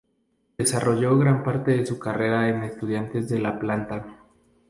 Desarrolló gran parte de su carrera en Estudiantes de La Plata.